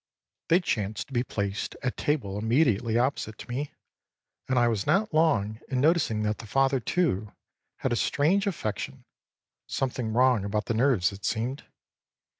They chanced to be placed at table immediately opposite to me; and I was not long in noticing that the father, too, had a strange affection, something wrong about the nerves it seemed.